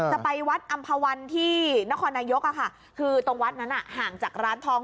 จะไปวัดอำภาวันที่นครนายกคือตรงวัดนั้นห่างจากร้านทอง